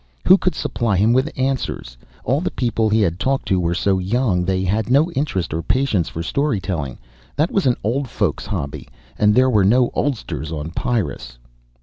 Who could supply him with answers? All the people he had talked to were so young. They had no interest or patience for story telling. That was an old folks' hobby and there were no oldsters on Pyrrus.